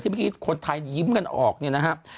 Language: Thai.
เมื่อกี้คนไทยยิ้มกันออกเนี่ยนะครับ